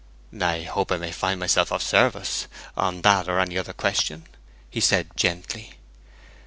'I hope I may find myself of service, on that or any other question,' he said gently.